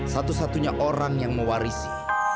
satu satunya orang yang mewarisi